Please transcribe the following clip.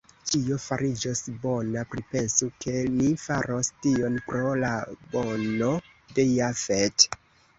Ĉio fariĝos bona; pripensu, ke ni faros tion pro la bono de Jafet.